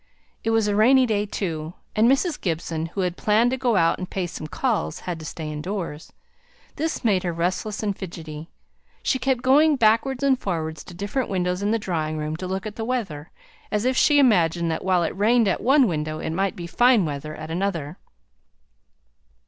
It was a rainy day, too; and Mrs. Gibson, who had planned to go out and pay some calls, had to stay indoors. This made her restless and fidgety. She kept going backwards and forwards to different windows in the drawing room to look at the weather, as if she imagined that while it rained at one window, it might be fine weather at another.